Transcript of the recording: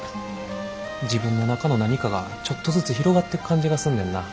自分の中の何かがちょっとずつ広がってく感じがすんねんな。